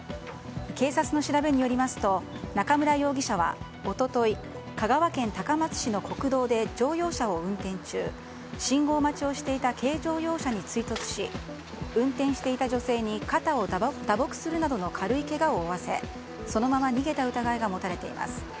警察の調べによりますと中村容疑者は一昨日香川県高松市の国道で乗用車を運転中信号待ちをしていた軽乗用車に追突し運転していた女性に肩を打撲するなどの軽いけがを負わせ、そのまま逃げた疑いが持たれています。